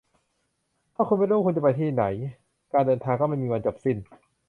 ถ้าคุณไม่รู้ว่าคุณจะไปที่ไหน การเดินทางก็ไม่มีวันจบสิ้น